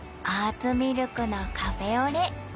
ツミルクのカフェオレ。